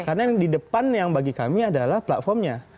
karena yang di depan yang bagi kami adalah platformnya